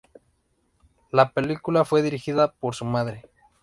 La película fue dirigida por su madre.